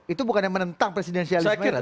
itu bukan yang menentang presidensialisme